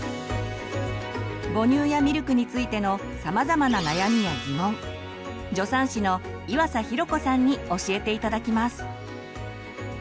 母乳やミルクについてのさまざまな悩みやギモン助産師の岩佐寛子さんに教えて頂きます。